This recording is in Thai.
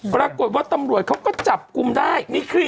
ปรากฎว่า้ตำรวจเขาก็จับกุมได้